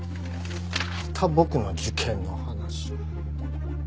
また僕の受験の話。